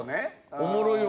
おもろいわ。